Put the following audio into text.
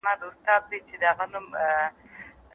د اوبو سرچینې باید په تخنیکي ډول مدیریت سي.